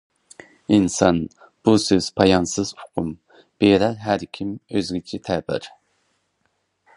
ئىنسان. بۇ سۆز پايانسىز ئۇقۇم، بىرەر ھەركىم ئۆزگىچە تەبىر.